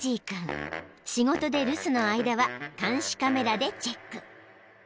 ［仕事で留守の間は監視カメラでチェック］